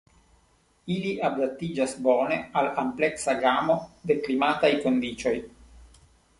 Ili adaptiĝas bone al ampleksa gamo de klimataj kondiĉoj.